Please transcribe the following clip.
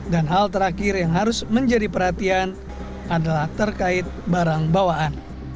dan hal terakhir yang harus menjadi perhatian adalah terkait barang bawaan